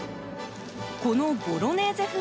このボロネーゼ風